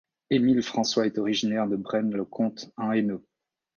Émile François est originaire de Braine-le-Comte, en Hainaut.